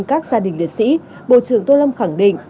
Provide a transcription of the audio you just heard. các gia đình liệt sĩ bộ trưởng tô lâm khẳng định